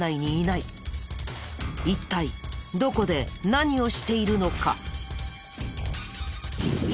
一体どこで何をしているのか？